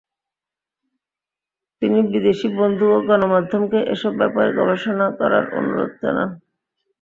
তিনি বিদেশি বন্ধু ও গণমাধ্যমকে এসব ব্যাপারে গবেষণা করার অনুরোধ জানান।